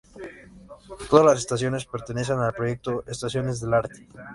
Todas las estaciones pertenecen al proyecto "Estaciones del Arte".